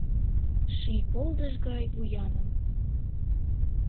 Ший полдыш гай вуяным